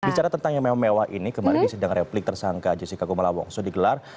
bicara tentang yang memang mewah ini kemarin di sedang replik tersangka jessica gumelawongso digelar